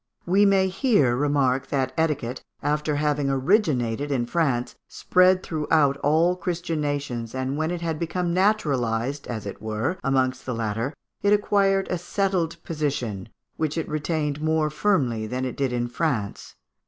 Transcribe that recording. We may here remark, that etiquette, after having originated in France, spread throughout all Christian nations, and when it had become naturalised, as it were, amongst the latter, it acquired a settled position, which it retained more firmly than it did in France.